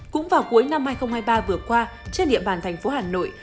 cũng vào cuối năm hai nghìn hai mươi ba vừa qua trên địa bàn thành phố hà nội